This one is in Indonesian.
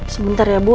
sebentar ya bu